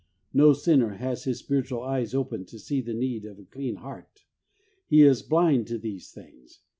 No sinner has his spiritual eyes open to see the need of a clean heart. He is blind to these things.